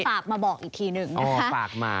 ฝากมาบอกอีกทีหนึ่งนะคะ